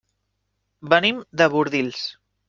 Venim de Bordils.